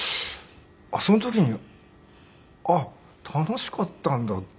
その時にあっ楽しかったんだって